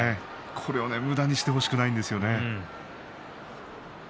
これを、むだにしてほしくはないんですよね。